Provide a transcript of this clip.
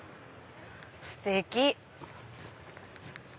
ステキ！